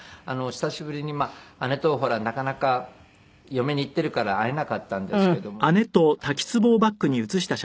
久しぶりに姉とほらなかなか嫁に行っているから会えなかったんですけども姉とちょっと行こうかって。